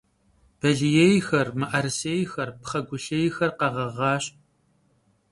Baliêyxer, mı'erısêyxer, pxhegulhêyxer kheğeğaş.